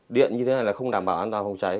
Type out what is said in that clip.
điện như thế này là không đảm bảo an toàn phòng cháy